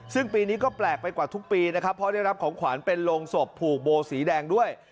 ซึ่งปีนี้ก็แปลกไปกว่าทุกปีนะครับเพราะได้รับของขวานเป็นโรงศพผูกโบสีแดงด้วย